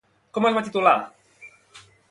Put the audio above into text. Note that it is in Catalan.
Com es va titular?